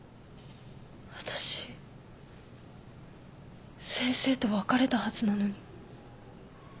私先生と別れたはずなのに。